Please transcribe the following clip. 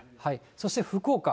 そして福岡。